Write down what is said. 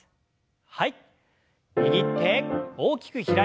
はい。